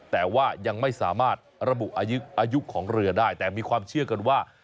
แต่ว่ายังไม่สามารถระบุอายุของเรือได้แต่มีความเชื่อกันว่า